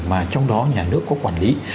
mà trong đó nhà nước có quản lý